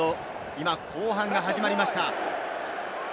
今、後半が始まりました。